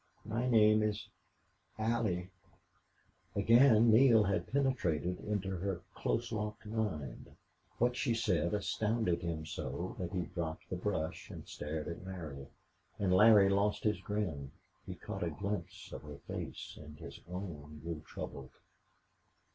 "My name is Allie." Again Neale had penetrated into her close locked mind. What she said astounded him so that he dropped the brush and stared at Larry. And Larry lost his grin; he caught a glimpse of her face, and his own grew troubled.